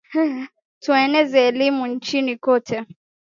Tueneze elimu nchini kote